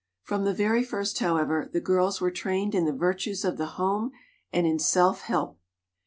From the very first, however, the girls were trained in the virtues of the home, and in self help.